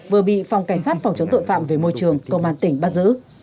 vừa bị phòng cảnh sát phòng chống tội phạm về môi trường công an tỉnh bắt giữ